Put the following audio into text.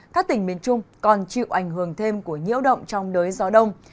các tỉnh miền trung còn chịu ảnh hưởng thêm của nhiễu động trong đới gió đông